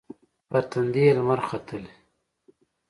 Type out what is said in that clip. پر تندې یې لمر ختلي